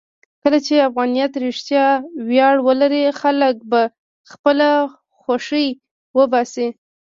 کله چې افغانیت رښتیا ویاړ ولري، خلک به خپله خوښۍ وباسي.